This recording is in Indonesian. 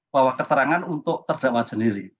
bahwa keterangan untuk terdakwa sendiri